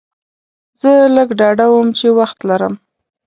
زه لږ ډاډه وم چې وخت لرم.